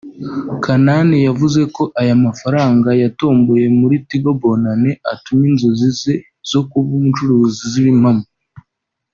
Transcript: Kanani yavuze ko aya mafaranga yatomboye muri Tigo Bonane atumye inzozi ze zo kuba umucuruzi ziba impamo